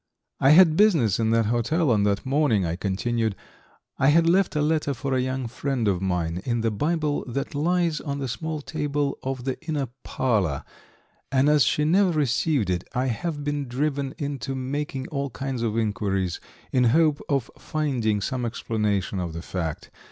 "I had business in that hotel on that morning," I continued. "I had left a letter for a young friend of mine in the Bible that lies on the small table of the inner parlor, and as she never received it, I have been driven into making all kinds of inquiries, in hope of finding some explanation of the fact.